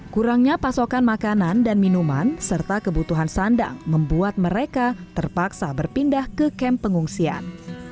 kurangnya pasokan makanan dan minuman serta kebutuhan sandang membuat mereka terpaksa berpindah ke kamp pengungsian